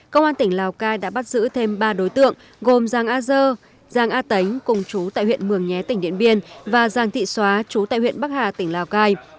công an tỉnh lào cai đã bắt giữ thêm ba đối tượng gồm giang a dơ giang a tánh cùng chú tại huyện mường nhé tỉnh điện biên và giang thị xóa chú tại huyện bắc hà tỉnh lào cai